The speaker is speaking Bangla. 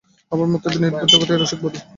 আমার মতো নির্বোধ জগতে নেই রসিকবাবু!